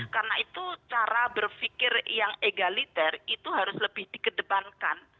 karena itu cara berpikir yang egaliter itu harus lebih dikedepankan